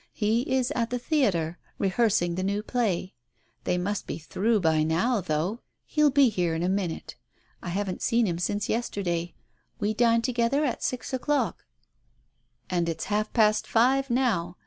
He is at the theatre, rehearsing the new play. They must be through by now, though ! He'll be here in a minute. I haven't seen him since yesterday. We dine together at six o'clock !" "And it's half past five now.